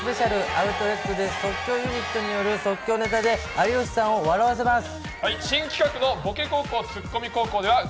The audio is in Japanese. アウトレットで即興ユニットによる即興ネタで有吉さんを笑わせます。